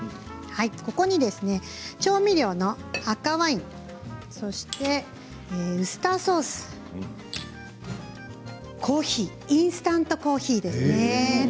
ここに調味料の赤ワインそしてウスターソースコーヒーインスタントコーヒーですね。